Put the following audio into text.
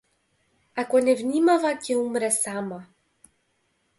Ако не внимава ќе умре сама.